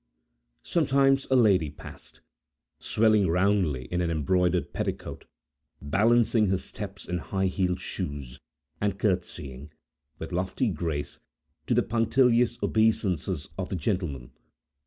Sometimes a lady passed, swelling roundly forth in an embroidered petticoat, balancing her steps in high heeled shoes, and courtesying, with lofty grace, to the punctilious obeisances of the gentlemen.